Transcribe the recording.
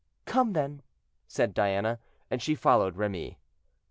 "Come, then," said Diana; and she followed Remy.